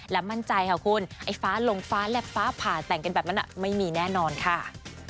และมั่นใจค่ะคุณไอ้ฟ้าลงฟ้าแลบฟ้าผ่าแต่งกันแบบนั้นไม่มีแน่นอนค่ะ